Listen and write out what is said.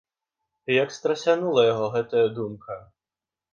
Як страсянула яго гэтая думка!